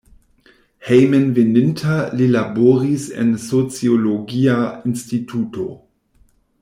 Hejmenveninta li laboris en sociologia instituto.